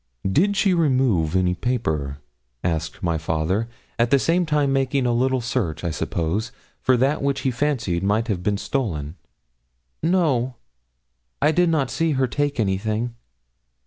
'Did she remove any paper?' asked my father, at the same time making a little search, I suppose, for that which he fancied might have been stolen. 'No; I did not see her take anything.'